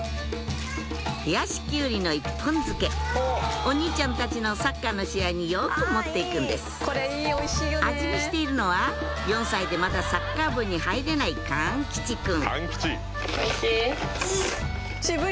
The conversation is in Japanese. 冷やしキュウリの１本漬けお兄ちゃんたちのサッカーの試合によく持って行くんです味見しているのは４歳でまだサッカー部に入れない貫吉くんおいしい？